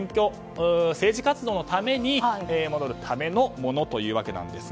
政治活動のために戻るためのものというわけです。